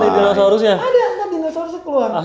ada ntar dinosaurusnya keluar